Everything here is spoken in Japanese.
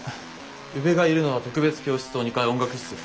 宇部がいるのは特別教室棟２階音楽室。